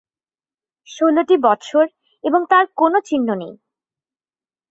ষোলোটি বছর, এবং তার কোন চিহ্ন নাই।